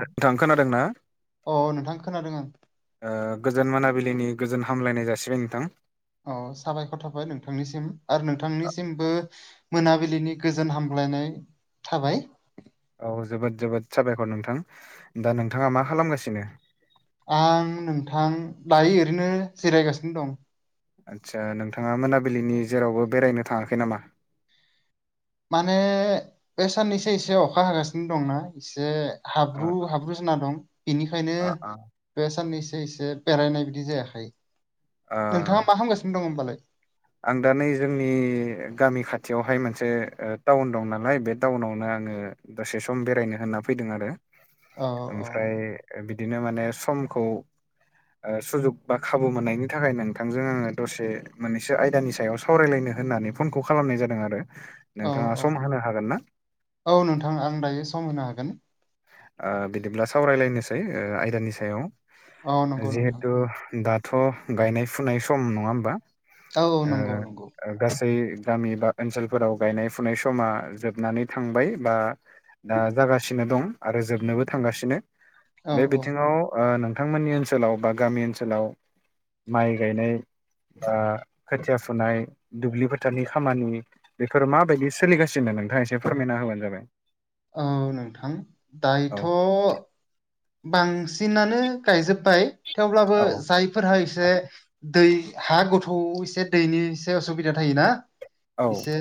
नोंथां खोनादों ना? अ नोंथां खोनादों आं ओ गोजोन मोनाबिलिनि गोजोन हामलायनाय जासिबाय नोंथां औ साबायखर थाबाय नोंथांनिसिम आरो नोंथांनिसिमबो मोनाबिलिनि गोजोन हामग्लायनाय थाबाय औ जोबोद जोबोद साबायखर नोंथां दा नोंथाङा मा खालामगासिनो आं नोंथां दायो ओरैनो जिरायगासिनो दं आदसा नोंथाङा मोनाबिलिनि जेरावबो बेरायनो थाङाखै नामा? माने बे साननैसो एसे अखा होगासिनो दंना एसे ओ हाब्रु हाब्रु जोना दं बेनिखायनो ओ ओ बे साननैसो एसे बेरायनाय बिदि जायाखै ओ नोंथाङा मा हगासिनो दं होनोमबालाय? आं दा नै जोंनि गामि खाथियावहाय मोनसे ओ टाउन दं नालाय बे टाउनावनो आङो दसे सम बेरायनो होनना फैदों आरो अ अ ओमफ्राय बिदिनो माने समखौ ओ सुजुग बा खाबु मोननायनि थाखाय नोंथांजों आङो दसे मोन नैसो आयदानि सायाव सावरायलायनो होननानै फनखौ खालामनाय जादों आरो औ नोंथाङा औ सम होनो हागोन ना? औ नोंथां आं दायो सम होनो हागोन बिदिब्ला सावरायलायनोसै आयदानि सायाव औ नंगौ नोंथां जिहेथु दाथ' गायनाय फुनाय सम नङा होनबा औ औ नंगौ नंगौ गासै गामि बा ओनसोलफोराव गायनाय फुनाय समा जोबनानै थांबाय बा दा जागासिनो दं। आरो जोबनोबो थांगासिनो औ बे औ बिथिङाव नोंथांमोननि ओनसोलाव बा गामि ओनसोलाव माइ गायनाय दा खोथिया फुनाय दुब्लि फोथारानि खामानि बेफोर माबायदि सोलिगासिनो नोंथाङा एसे फोरमायना होबानो जाबाय औ नोंथां औ दायोथ' बांसिनानो गायजोब्बाय थेवब्लाबो औ जाय बे फोरहा एसे दै हा गोथौ एसे दैनि एसे असुबिदा थायो ना एसे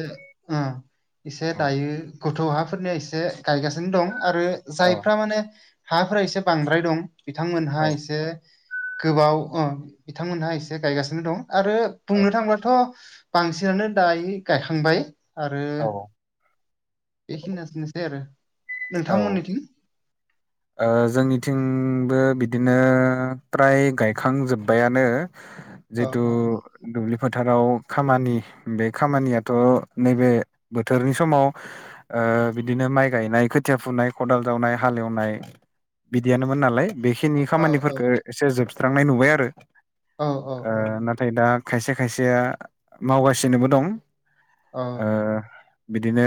एसे औ दायो गथ' हाफोरनिया एसे गायगासिनो दं। आरो औ जायफ्रा माने हाफोरा एसे बांद्राय दं बिथांमोनहा औ एसे गोबाव बिथांमोनहा एसे गायगासिनो दं आरो औ बुंनो थांब्लाथ' बांसिनानो दायो गायखांबाय आरो। औ बेखियानोसै आरो औ नोंथांमोननिथिं जोंनिथिंबो बिदिनो फ्राय गायखांजोब्बाइयानो औ जितु औ दुब्लि फोथाराव खामानि बे खामानियाथ' नैबे बोथोरनि समाव बिदिनो माइ गायनायखौ खोथिया फुनाय खदाल जावनाय हालेवनाय बिदियानोमोन नालाय बेखिनि औ खामानिफोरफोरखौ एसे जोबस्रांनाय नुबाय आरो ओ‌ औ औ नों नाथाय दा खायसे खायसेया मावगासिनोबो दं। औ बिदिनो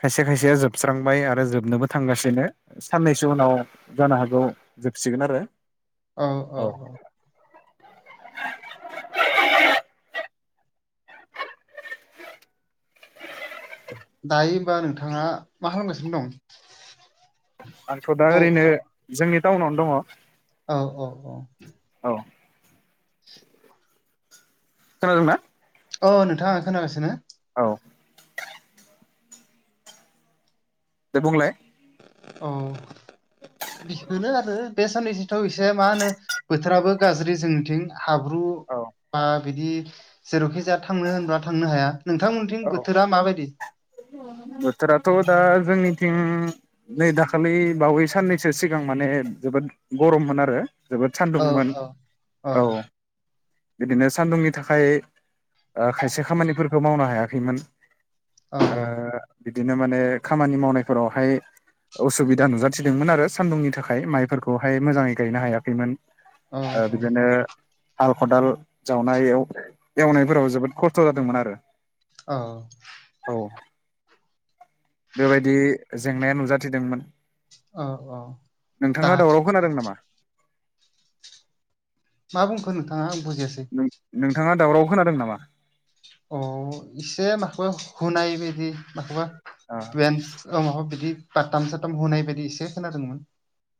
खायसे खायसेया जोबस्रांबाय आरो आरो जोबनोबो थांगासिनो साननैसो उनाव जानो हागौ जोबसिगोन आरो। औ औ औ दायो होमबा नोंथाङा मा खालामसिनो दं? आंथ' दा औ ओरैनो जोंनि टाउनावनो दङ औ औ औ औ खोनादोंना अ नोंथाङा खोनागासिनो न औ दे बुंलाय औ बेसो आरो बे साननैसोथ' एसे मा होनो बोथोराबो गाज्रि जोंनिथिं हाब्रु औ बा बिदि जेरावखि जाया थांनो होनबा थांनो हाया औ नोंथांमोनथिं बोथोरा माबायदि बोथोराथ' दा जोंनिथिं नै दाखालि बावै साननैसो सिगां माने जोबोद गरममोन आरो जोबोद औ सान्दुंमोन औ औ बिदिनो सान्दुंनि थाखाय खायसे खामानिफोरखौ मावनो हायाखैमोन औ बिदिनो माने खामानि मावनायफोरावहाय असुबिदा नुजाथिदोंमोन आरो सान्दुंनि थाखाय माइफोरखौहाय मोजाङै गायनो हायाखैमोन ओ बिदिनो हाल खदाल जावनाय एवनायफोराव जोबोद खस्थ' जादोंमोन आरो औ औ बेबायदि जेंनाया नुजाथिदोंमोन औ औ दा नोंथाङा दावराव खोनादों नामा मा बुंखो नोंथाङा आं बुजियासै नोंथाङा दावराव खोनादों नामा औ इसे माखौबा हनाय बायदि माखौबा ओ बेन्स माबा बिदि बाथाम साथाम होनाय बायदि एसे खोनादोंमोन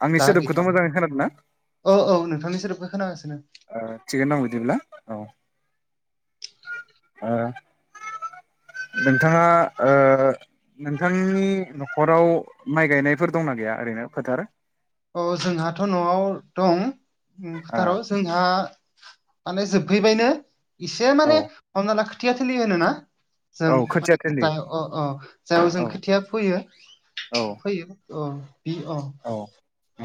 आंनि दा सोदोबखौथ' गैथारला मोजाङै खोनादोंना औ औ नोंथांनि सोदोबखौ खोनागासिनो ओ थिगैनो दं बिदिब्ला औ नोंथाङा ओ नोंथांनि न'खराव माइ गायनायफोर दंना गैया ओरैनो फोथार औ जोंहाथ' न'आव दं फोथाराव जोंहा माने जोबहैबायनो एसे ओ माने हमना ला खोथिया थोलि होनोना औ जों खोथिया माने थिलि जा अ अ जेराव जों औ खोथिया फैयो औ फैयो औ बि औ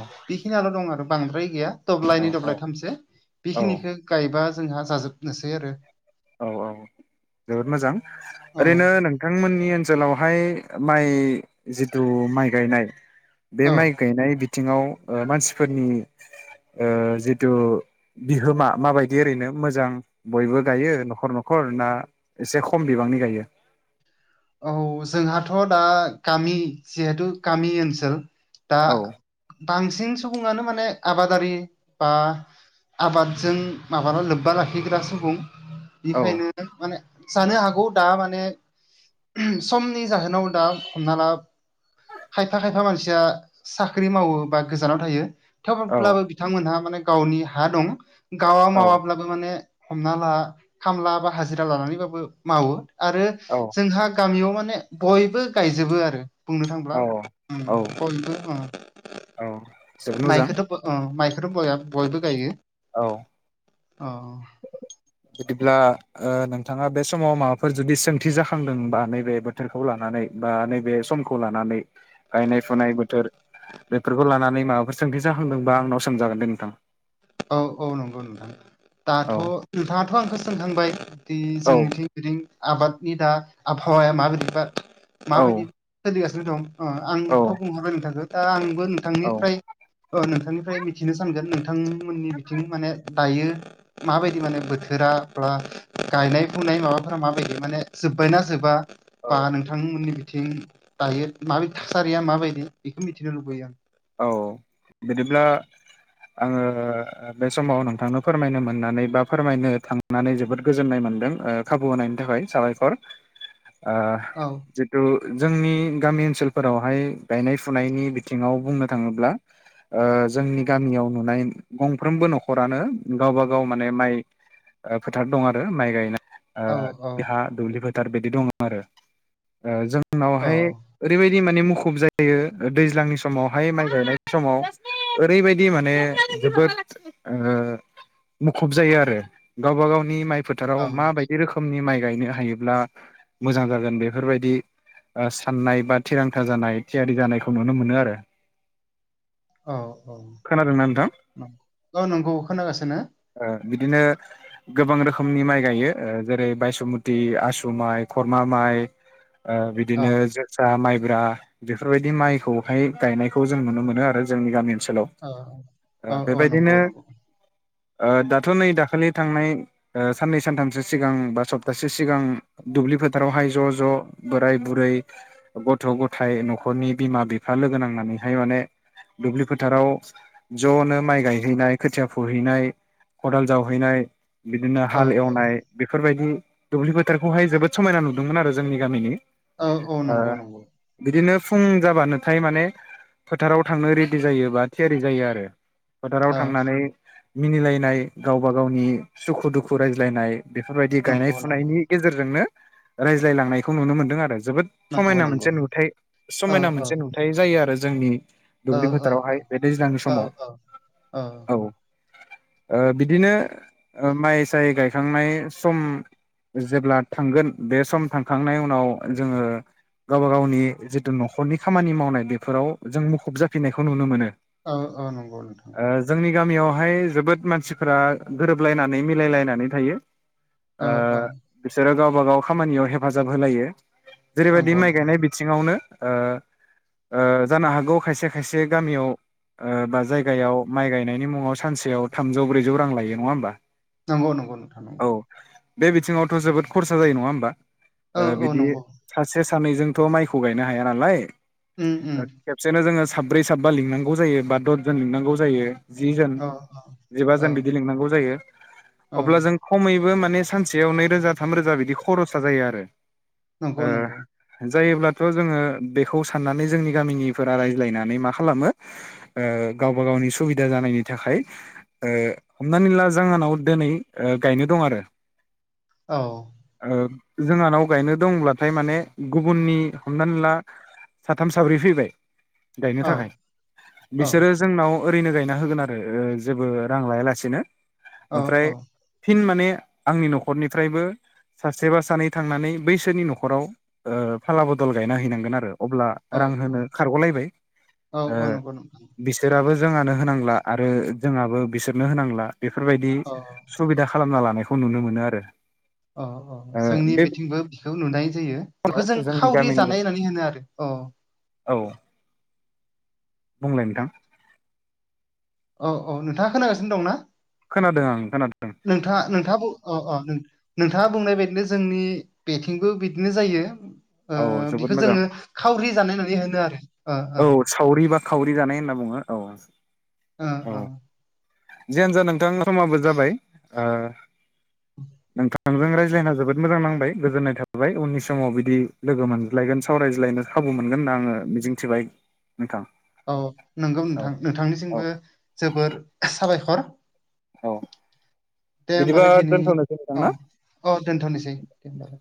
औ बेखिनियाल' दं आरो बांद्राय गैया दब्लाइनि औ औ दब्लाय थामसो औ बेखिनिखौ गायबा जोंहा जाजोबनोसै आरो औ औ जोबोद मोजां औ ओरैनो नों बिथांमोननि ओनसोलावहाय माइ जिथु माइ गायनाय बे औ माइ गायनाय बिथिङाव मानसिफोरनि जिथु बिहोमा माबायदि ओरैनो मोजां बयबो गायो न'खर न'खर ना एसे खम बिबांनि गायो औ जोंहाथ' दा गामि जिहेथु गामि ओनसोल दा औ बांसिन सुबुङानो माने आबादारि बा आबादजों माब्ला लोब्बा लाखिग्रा सुबुं औ बेखायनो माने जानो हागौ दा माने समनि जाहोनाव दा हमना ला खायफा खायफा मानसिया साख्रि मावो बा गोजानाव थायो औ थेवब्लाबो बिथांमोनहा माने गावनि हा दं गावा औ मावाब्लाबो माने हमना ला खामला बा हाजिरा लानानैबाबो मावो आरो औ जोंहा गामियाव माने बयबो गायजोबो आरो बुंनो थांब्ला औ औ बयबो औ जोबोद मोजां मायखौथ' अ माइखथ' बया बयबो गायो औ अ बिदिब्ला नोंथाङा बे समाव माबाफोर जुदि सोंथि जाखांदोंबा नैबे बोथोरखौ लानानै बा नैबे समखौ लानानै गायनाय फुनाय बोथोर बेफोरखौ लानानै माबाफोर सोंथि जाखांदोंबा आंनाव सोंजागोन दे नोंथां औ औ नंगौ नोंथां दाथ' औ नोंथाङाथ' आंखौ जोंखांबाय दि औ जोंनिथिं बिदि आबादनि दा आबहावाया माबायदि बा औ माबायदि सोलिगासिनो दं अ औ आंथ' बुंहरबाय‌ नोंथांखौ दा आंबो नोंथांनिफ्राय अ नोंथांनिफ्राय मिथिनो सानगोन नोंथांमोननि बिथिं माने दायो माबायदि माने बोथोरा बा गायनाय फुनाय माबाफोरा माबायदि माने जोब्बायना जोबा औ बा नोंथांमोननि बिथिं दायो माबायदि थासारिया माबायदि बेखौ मिथिनो लुबैयो आं औ बिदिब्ला आङो बे समाव नोंथांनो फोरमायनो मोननानै बा फोरमायनो थां नानै जोबोद गोजोन्नाय मोनदों खाबु होनायनि थाखाय साबायखर ओ औ जितु जोंनि गामि ओनसोलफोरावहाय गायनाय फुनायनि बिथिङाव बुंनो थाङोब्ला जोंनि गामियाव नुनाय गंफ्रोमबो न'खरानो गावबा गाव माने माइ ओ फोथार दं आरो माइ गायनाय ओ औ औ बिहा दुब्लि फोथार बिदि दङ आरो औ जोंनावहाय ओरैबायदि माने मुखुब जायो दैज्लांनि समाव बाहाय माइ गानाय समाव ओरैबायदि माने जोबोद मुखुब जायो आरो गावबा गावनि माइ फोथाराव औ माबायदि जि रोखोमनि माइ गायनो हायोब्ला मोजां जागोन बेफोरबायदि साननाय बा थिरांथा जानाय थियारि जानायखौ नुनो मोनो आरो औ-औ-औ खोनादोंना नोंथां नोंग ओ नंगौ खोनागासिनो ओ बिदिनो गोबां रोखोमनि माइ गायो जेरै बायसुमुति आसु माइ खुरमा माइ औ बिदिनो जोसा माइब्रा बेफोरबायदि माइखौहाय गायनाय खौ जों नुनो मोनो आरो जोंनि गामि ओनसोलाव औ औ औ बेबायदिनो नंगौ नंगौ दाथ' नै दाखालि थांनाय साननै सानथामसो सिगां बा सप्तासे सिगां दुब्लि फोथारावहाय ज' ज' बोराय बुरै गथ' गथाय न'खरनि बिमा बिफा लोगो नांनानैहाय माने दुब्लि फोथाराव ज'नो माइ गायहैनाय खोथिया फुहैनाय खदाल जावहैनाय बिदिनो औ हाल औ एवनाय बेफोरबायदि दुब्लि फोथारखौहाय जोबोद समायना नुदोंमोन आरो जोंनि गामिनि औ-औ ओ नंगौ नंगौ बिदिनो फुं जाबानोथाय माने फोथाराव थांनो रेडि जायोबा थियारि जायो आरो फोथाराव औ थांनानै मिनिलायनाय गावबा गावनि सुखु दुखु रायज्लायनाय बेफोरबायदि गायनाय नंगौ नंगौ फुनायनि गेजेरजोंनो रायज्लाय लांनायखौ नुनो मोनदों आरो जोबोद नंगौ समायना नंगौ मोनसे नुथाय औ समायना औ मोनसे नुथाय जायो आरो जोंनि औ दुब्लि औ फोथारावहाय बे दैज्लांनि औ समाव औ बिदिनो माइ साय गायखांनाय सम जेब्ला थांगोन बे सम थांखांनायनि उनाव जोङो गावबा गावनि जितु न'खरनि खामानि मावनाय बेफोराव जों मुखुब जाफिननायखौ नुनो मोनो औ औ नंगौ नोंथां जोंनि गामियावहाय जोबोद मानसिफोरा गोरोबलायनानै मिलायलायनानै थायो औ औ बिसोरो गावबा गाव खामानियाव हेफाजाब होलायो जेरैबायदि नंगौ माइ नंगौ गायनाय बिथिङावनो जानो हागौ खायसे खायसे गामियाव बा जायगायाव माइ गायनायनि मुङाव सानसेयाव थामजौ ब्रैजौ रां लायो नङा होमबा नंगौ नंगौ नोंथां नांगौ औ बे बिथिङावथ' जोबोद खरसा जायो नङा होमबा औ औ बिदि नंगौ सासे सानैजोंथ' माइखौ गायनो हाया नालाय उम-उम खेबसेनो जोङो साब्रै साबा लिंनांगौ जायो बा दसजन लिंनांगौ जायो जि जोन औ जिबा औ जोन बिदि लिंनांगौ जायो औ अब्ला जों खमैबो माने सानसेयाव नैरोजा थाम रोजा बिदि खरसा जायो आरो नंगौ नंगौ ओ जायोब्लाथ' जोङो बेखौ साननानै जोंनि गामिनिफोरा रायज्लायनानै मा खालामो गावबा गावनि सुबिदा जानायनि थाखाय हमनानै ला जोंहानाव दिनै गायनो दं आरो औ जोंहानाव गायनो दंब्लाथाय माने गुबुननि हमनानै ला साथाम साब्रै फैबाय गायनो औ थाखाय औ बिसोरो जोंनाव ओरैनो गायना होगोन आरो जेबो रां लायालासेनो औ ओमफ्राय फिन माने आंनि न'खरनिफ्रायबो सासेबा सानै थांनानै बैसोरनि न'खराव फाला बदल गायना हैनांगोन आरो अब्ला औ रां होनो खारग'लायबाय औ औ नंगौ नोंथां बिसोराबो जोंहानो होनांला आरो जोंहाबो बिसोरनो होनांला बेफोरबायदि औ सुबिदा खालामना लानायखौ नुनो मोनो आरो औ औ ओ जोंनि बे बेथिंबो बिखौ नुनाय जायो बेखौ जों जोंनि खावरि गामिनि जानाय होननानै होनो आरो। अ औ बुंलाय नोंथां। औ औ नोंथाङा खोनागासिनो दं ना? खोनादों आं खोनादों। नोंथाङा नोंथाङाबो अ अ नोंथाङा बुंनाय बायदिनो जोंनि बेथिंबो बिदिनो जायो औ जोबोद बिखौ मोजां जोङो खावरि जानायनानै होनो आरो। ओ ओ औ सावरि बा खावरि जानाय होनना बुङो औ अ औ जियानो जा नोंथां समाबो जाबाय नोंथां। नोंजों रायज्लायना जोबोद मोजां नांबाय गोजोन्नाय थाबाय उननि समाव बिदि लोगो मोनज्लायगोन सावरायज्लायनो। खाबु मोनगोन होनना आङो मिजिंथिबाय नोंथां। औ नोंगौ औ नोंथां औ नोंथांनिसिमबो जोबोर साबायखर। औ बिदिबा दोनथ'नोसै नोंथां ना? अ दोनथ'नोसै दोनबाय।